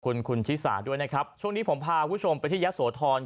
คุณคุณชิสาด้วยนะครับช่วงนี้ผมพาคุณผู้ชมไปที่ยะโสธร